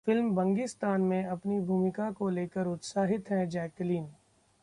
film ‘Bangistan’ में अपनी भूमिका को लेकर उत्साहित हैं जैकलीन